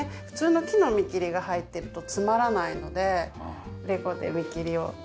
普通の木の見切りが入ってるとつまらないのでレゴで見切りを。